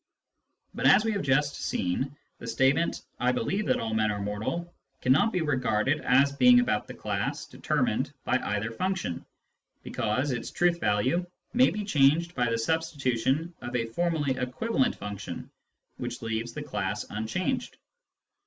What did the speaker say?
But, as we have just seen, the statement " I believe that all men are mortal " cannot be regarded as being about the class determined by either function, because its truth value may be changed by the substitution of a formally equivalent function (which leaves the class unchanged).